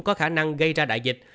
có khả năng gây ra đại dịch